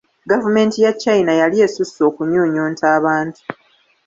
Gavumenti ya China yali esusse okunyuunyunta abantu.